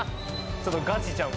ちょっとガチちゃう？